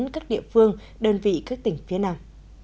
các địa phương đơn vị các tỉnh phía nào